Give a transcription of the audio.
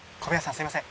すいません。